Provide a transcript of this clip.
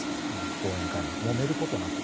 後援会ももめることなく。